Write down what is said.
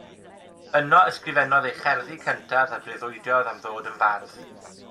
Yno ysgrifennodd ei cherddi cyntaf a breuddwydiodd am ddod yn fardd.